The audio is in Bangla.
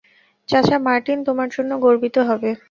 চাচা মার্টিন তোমার জন্য গর্বিত হবে।